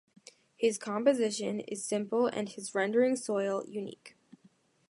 His composition is simple and his rendering of soil unique.